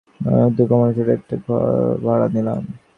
আমরা আমাদের বাড়ি ছেড়ে কলাবাগানে দু-কামরার ছোট একটা ঘর ভাড়া নিলাম।